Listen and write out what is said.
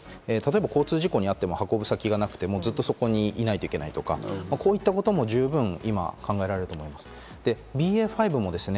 交通事故に遭っても運ぶ先がなくて、ずっとそこにいなきゃいけないとか、こういったことも十分、今考えられると思います。